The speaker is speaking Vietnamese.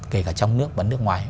kể cả trong nước và nước ngoài